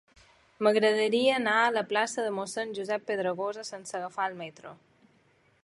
M'agradaria anar a la plaça de Mossèn Josep Pedragosa sense agafar el metro.